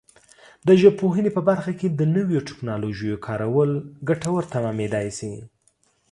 د ژبپوهنې په برخه کې د نویو ټکنالوژیو کارول ګټور تمامېدای شي.